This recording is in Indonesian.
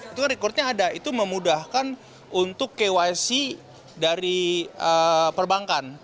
itu kan rekodnya ada itu memudahkan untuk kyc dari perbankan